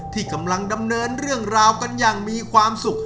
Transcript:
ที่กำลังดำเนินเรื่องราวกันอย่างมีความสุข